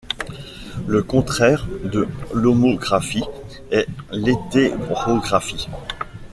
Le contraire de l'homographie est l'hétérographie.